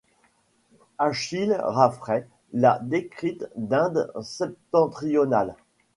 Achille Raffray l'a décrite d'Inde septentrionale.